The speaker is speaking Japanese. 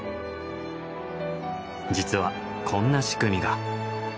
実はこんな仕組みが。